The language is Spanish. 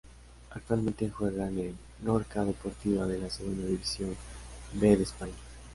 Actualmente juega en el Lorca Deportiva de la Segunda División B de España.